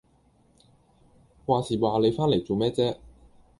話時話你返嚟做咩啫？